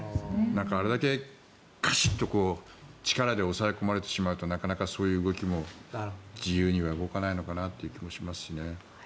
あれだけガシッと力で抑え込まれてしまうとなかなかそういう動きも自由には動かないのかなという気がしますね。